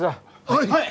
はい。